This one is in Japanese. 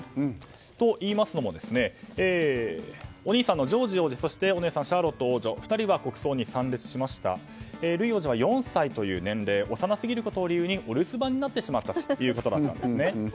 といいますのもお兄さんのジョージ王子お姉さんのシャーロット王女２人は国葬に参列しましたがルイ王子は４歳という年齢幼すぎることを理由にお留守番になってしまったということだったんです。